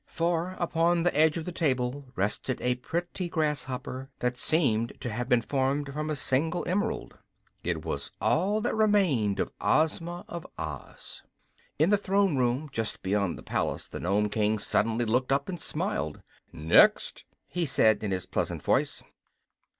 For upon the edge of the table rested a pretty grasshopper, that seemed to have been formed from a single emerald. It was all that remained of Ozma of Oz. In the throne room just beyond the palace the Nome King suddenly looked up and smiled. "Next!" he said, in his pleasant voice.